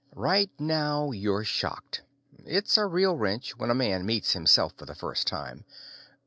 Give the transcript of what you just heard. Right now, you're shocked. It's a real wrench when a man meets himself for the first time.